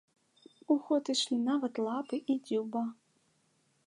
У ход ішлі нават лапы і дзюба.